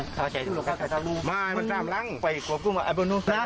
ครับครับครับ